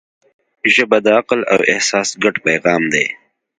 ژبه د عقل او احساس ګډ پیغام دی